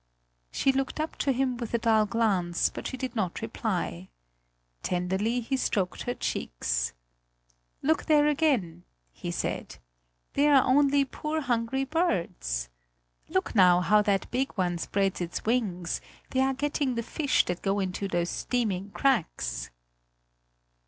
She looked up to him with a dull glance; but she did not reply. Tenderly he stroked her cheeks: "Look there again!" he said, "they are only poor hungry birds! Look now, how that big one spreads its wings; they are getting the fish that go into those steaming cracks!"